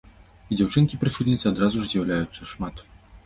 І дзяўчынкі-прыхільніцы адразу ж з'яўляюцца, шмат!